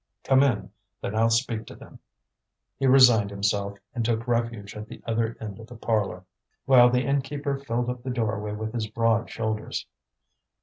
"Come in; then I'll speak to them." He resigned himself, and took refuge at the other end of the parlour, while the innkeeper filled up the doorway with his broad shoulders.